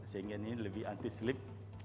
sehingga ini lebih anti slip